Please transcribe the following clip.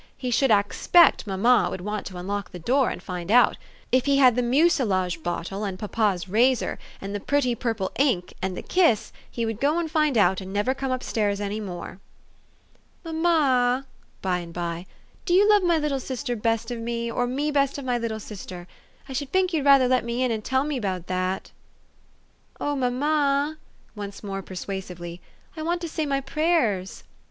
He should axpect mamma would want to unlock the door, and find out. If he had the mucilage bottle, and papa's razor, and the pretty purple ink (and the kiss), he would go and find out, and never come up stairs any more. " Mamma," by and by, " do you love my little sister best of me, or me best of my little sister? I should fink you'd rather let me in and tell me 'bout that. "O mamma !" once more persuasively, " I want to say my prayers."